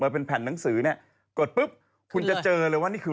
เป็นแผ่นหนังสือเนี่ยกดปุ๊บคุณจะเจอเลยว่านี่คือ